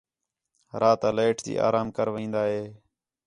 رِات آ لائیٹ تی آرام کر وہین٘دا ہِے